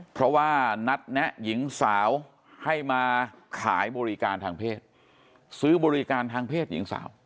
เพราะว่านัดแนะหญิงสาวให้มาขายบริการทางเพศซื้อบริการทางเพศหญิงสาว